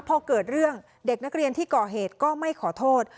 พอเกิดเรื่องเด็กนักเรียนที่ก่อเหตุก็ไม่ขอโทษ